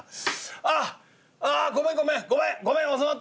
「あっああごめんごめんごめんごめん遅うなって。